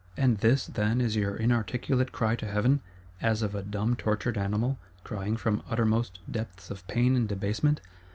and this, then, is your inarticulate cry to Heaven, as of a dumb tortured animal, crying from uttermost depths of pain and debasement?